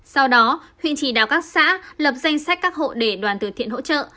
sau đó huyện chỉ đào các xã lập danh sách các hộ để đoàn tự thiện hỗ trợ